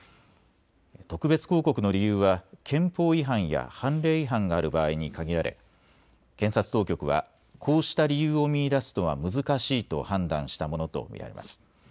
特別抗告の理由は憲法違反や判例違反がある場合に限られ検察当局はこうした理由を見いだすのは難しいと判断したものと見られます。